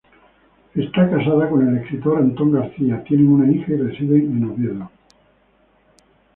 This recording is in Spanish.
Está casada con el escritor Antón García, tienen una hija y residen en Oviedo.